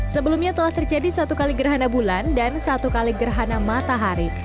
sebelumnya telah terjadi satu kali gerhana bulan dan satu kali gerhana matahari